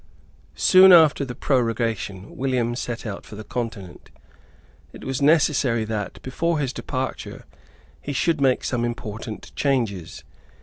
Soon after the prorogation William set out for the Continent. It was necessary that, before his departure, he should make some important changes.